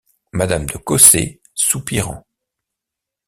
Madame de Cossé, soupirant.